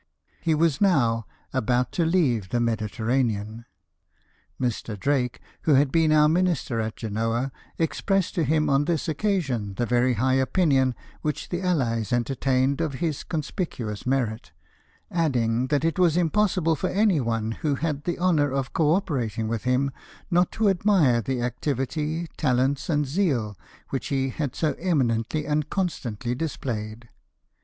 He was now about to leave the Mediterranean. Mr. Drake, who had been our Minister at Genoa, expressed to him on this occasion the very high opinion which the Allies entertained of his conspicuous merit, adding that it was impossible for any one who had the honour of co operating with him not to admire the activity, talents, and zeal, which he had so eminently and constantly displayed.